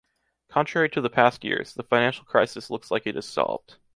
Contrary to the past years, the financial crisis looks like it is solved.